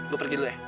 gue pergi dulu ya